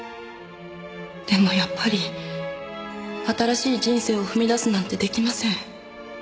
「でもやっぱり新しい人生を踏み出すなんてできません」